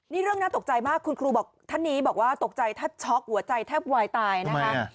นี่เรื่องน่าตกใจมากคุณครูบอกท่านนี้บอกว่าตกใจแทบช็อกหัวใจแทบวายตายนะคะ